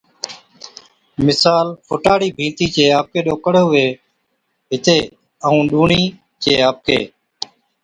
مثال، فُٽا هاڙِي ڀِيتي چي آپڪي ڏوڪڙ هُوي هِتي ائُون ڏُوڻِي چي آپڪي،